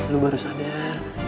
lo baru sadar